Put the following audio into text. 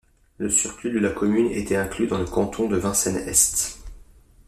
Le surplus de la commune était inclus dans le canton de Vincennes-Est.